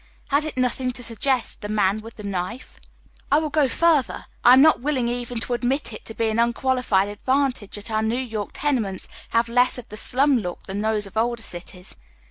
Haa it nothing to suggest the man with the knife ? I will go further. I am not willing even to admit it to be an unqualified advantage that our New York tenements have leas of the alum look than these of older cities.